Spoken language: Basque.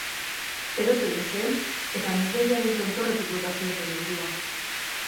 Erotu egin zen eta amildegiaren tontorretik bota zuen bere burua.